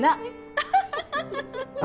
アハハハ。